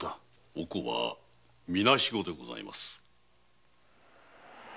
お甲はみなしごでございます。